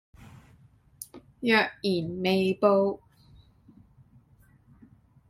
若然未報